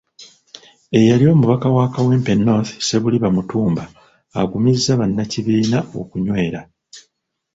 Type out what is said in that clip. Eyali omubaka wa Kawempe North Ssebuliba Mutumba agumizza bannakibiina okunywera.